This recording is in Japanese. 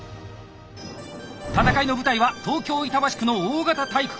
戦いの舞台は東京・板橋区の大型体育館！